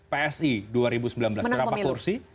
psi dua ribu sembilan belas berapa kursi